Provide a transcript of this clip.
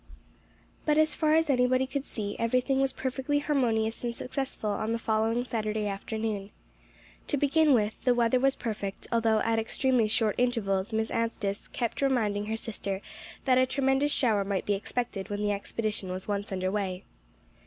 But as far as anybody could see, everything was perfectly harmonious and successful on the following Saturday afternoon. To begin with, the weather was perfect; although at extremely short intervals Miss Anstice kept reminding her sister that a tremendous shower might be expected when the expedition was once under way.